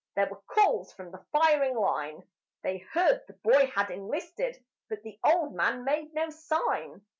There were calls from the firing line; They heard the boy had enlisted, but the old man made no sign.